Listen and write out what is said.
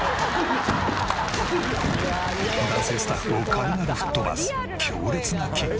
男性スタッフを軽々吹っ飛ばす強烈なキック。